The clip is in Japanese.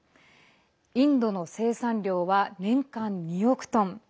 インドの生産量は年間２億トン。